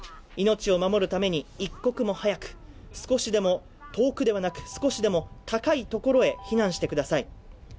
命を守るために、一刻も早く、少しでも遠くではなく、少しでも高いところへ避難してください。